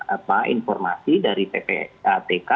apa informasi dari ppatk